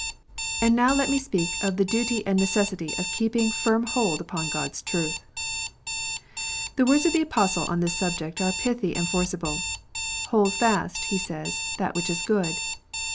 And now let me speak of the duty and necessity of keeping firm hold upon God s truth. The words of the Apostle on this subject are pithy and forcible. " Hold fast," he says, "that which is good."